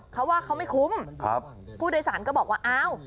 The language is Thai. เขาว่าเขาไม่คุ้มครับผู้โดยสารก็บอกว่าอ้าว